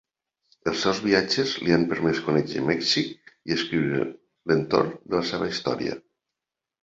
Els seus viatges li han permès conèixer Mèxic i escriure entorn de la seva història.